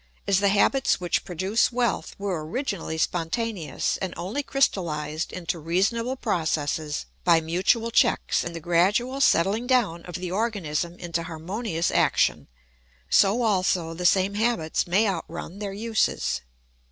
As the habits which produce wealth were originally spontaneous and only crystallised into reasonable processes by mutual checks and the gradual settling down of the organism into harmonious action, so also the same habits may outrun their uses.